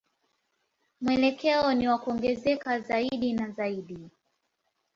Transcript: Mwelekeo ni wa kuongezeka zaidi na zaidi.